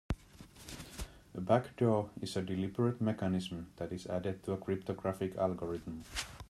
A backdoor is a deliberate mechanism that is added to a cryptographic algorithm.